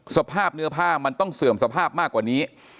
สภาพเนื้อผ้ามันต้องเสื่อมสภาพมากกว่านี้